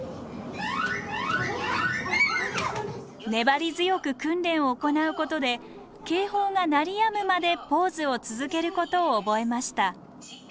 粘り強く訓練を行うことで警報が鳴りやむまでポーズを続けることを覚えました。